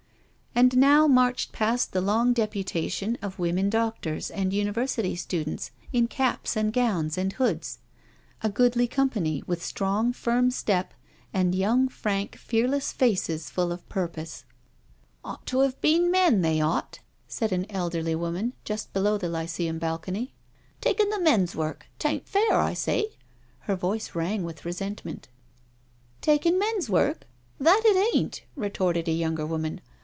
And now marched past the long deputation of women doctors and University students in caps and gowns and hoods— a goodly company, with strong, firm step, and young, frank, fearless faces full of purpose. *' Ought to have been men, they ought," said an V 322 NO SURRENDER elderly woman just below the Lyceum balcony :" takin* the men's work— 'tain't fair, I say/' Her voice rang with resentment. '•Takin' men's work? That it ain't," retorted a younger woman.